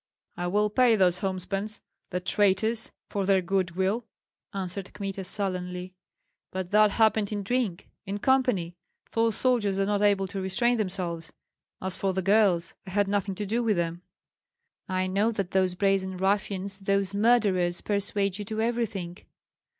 "I will pay those homespuns, the traitors, for their good will," answered Kmita, sullenly. "But that happened in drink, in company, for soldiers are not able to restrain themselves. As for the girls I had nothing to do with them." "I know that those brazen ruffians, those murderers, persuade you to everything."